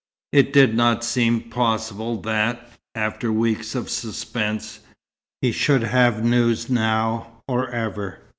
It did not seem possible that, after weeks of suspense, he should have news now, or ever.